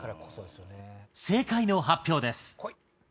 正解の発表です。